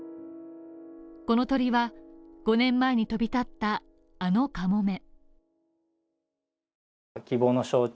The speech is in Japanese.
この鳥は、５年前に飛び立ったあのかもめ。